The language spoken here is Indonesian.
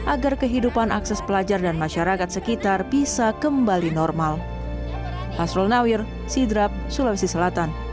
agar kehidupan akses pelajar dan masyarakat sekitar bisa kembali normal